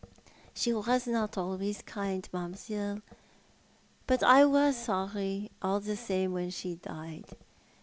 " She was not always kind, mam'selle, but I was sorry all the same when she died.